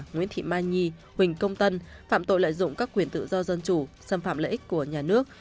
nguyễn thị mai nhi huỳnh công tân phạm tội lợi dụng các quyền tự do dân chủ xâm phạm lợi ích của nhà nước